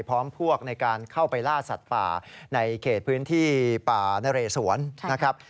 พร้อมพวกในการเข้าไปล่าสัตว์ป่าในเขตพื้นที่ป่านเรสวนนะครับ